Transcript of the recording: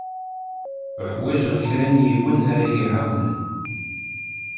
Uḥwaǧeɣ kra n yiwen ara yi-iɛawnen.